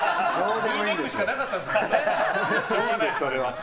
Ｖネックしかなかったんですよね。